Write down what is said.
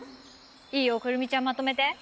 いいよ来泉ちゃんまとめて。